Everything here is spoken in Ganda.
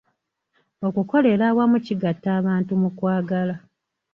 Okukolera awamu kigatta abantu mu kwagala.